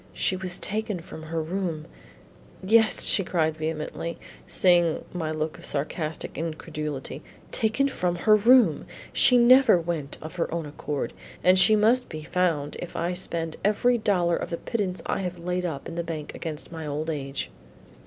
She was taken from her room " "Yes," she cried vehemently, seeing my look of sarcastic incredulity, "taken from her room; she never went of her own accord; and she must be found if I spend every dollar of the pittance I have laid up in the bank against my old age."